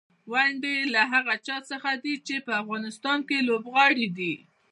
ونډې یې له هغه چا څخه دي چې په افغانستان کې لوبغاړي دي.